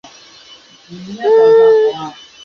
党主席为为当然中央执行委员及常务执行委员。